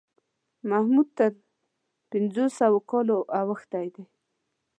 محمود تر پنځوسو کالو اوښتی دی.